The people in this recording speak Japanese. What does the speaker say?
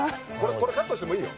これカットしてもいいよ。